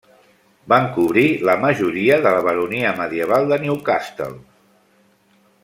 Van cobrir la majoria de la baronia medieval de Newcastle.